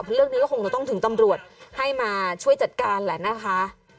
เรื่องนี้ก็คงจะต้องถึงตำรวจให้มาช่วยจัดการแหละนะคะ